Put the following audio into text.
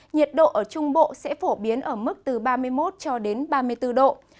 nhiệt độ ở trung bộ sẽ phổ biến ở mức từ ba mươi một cho đến ba mươi bốn độ